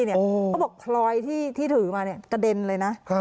เขาบอกพลอยที่ถือมากระเด็นเลยนะ